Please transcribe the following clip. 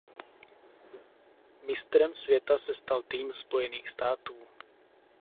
Mistrem světa se stal tým Spojených států.